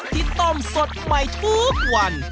ที่ต้มสดใหม่ทุกวัน